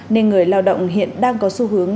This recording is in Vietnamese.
nên người lao động hiện đang có xu hướng